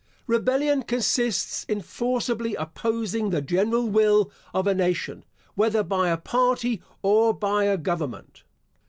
Rebellion consists in forcibly opposing the general will of a nation, whether by a party or by a government.